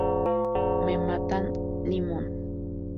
Me matan, Limón!